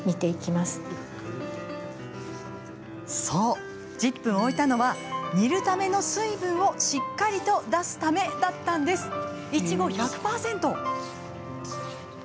そう、１０分置いたのは煮るための水分をしっかりと出すためだったんです。